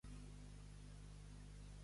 Ser un negrer.